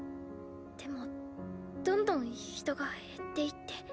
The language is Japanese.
でもどんどん人が減っていって。